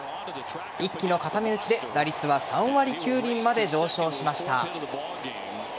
一気の固め打ちで打率は３割９厘まで上昇しました。